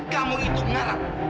kamu itu ngarah